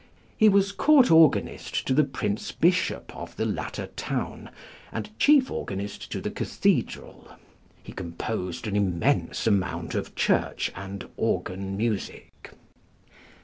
He was Court organist to the Prince Bishop of the latter town, and chief organist to the Cathedral. He composed an immense amount of church and organ music.